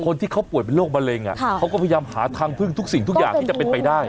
คนที่เขาป่วยเป็นโรคมะเร็งเขาก็พยายามหาทางพึ่งทุกสิ่งทุกอย่างที่จะเป็นไปได้